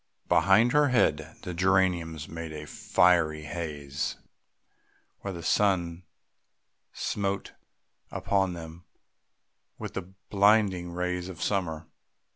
Behind her head the geraniums made a fiery haze where the sun smote upon them with the blinding rays of summer.